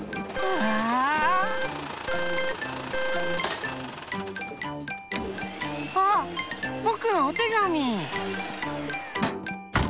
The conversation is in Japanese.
わあぼくのおてがみ！